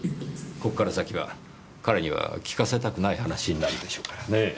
ここから先は彼には聞かせたくない話になるでしょうからねぇ。